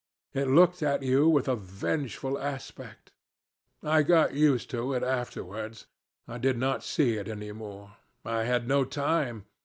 It looked at you with a vengeful aspect. I got used to it afterwards; I did not see it any more; I had no time.